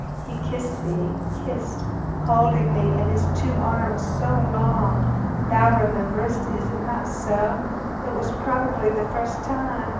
he kissed thee ... kissed ... holding thee in his two arms ... so long. Thou rememberest, is it not so? It was probably the first time